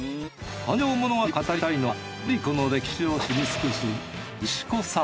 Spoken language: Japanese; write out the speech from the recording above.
誕生物語を語りたいのはグリコの歴史を知り尽くす石河さん